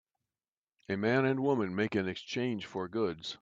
A man and woman make an exchange for goods.